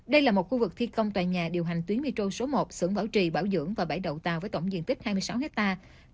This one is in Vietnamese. đây là một khu vực thi công tòa nhà điều hành tuyến metro số một sưởng bảo trì bảo dưỡng và bảy đầu tàu với tổng diện tích hai mươi sáu hectare